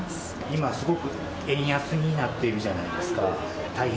今、すごく円安になっているじゃないですか。